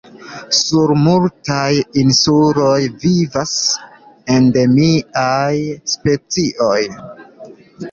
Sur multaj insuloj vivas endemiaj specioj.